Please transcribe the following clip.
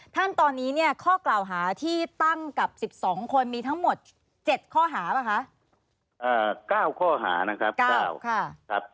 ท่านตอนนี้เนี่ยข้อกล่าวหาที่ตั้งกับ๑๒คนมีทั้งหมด๗ข้อหาเปล่าคะ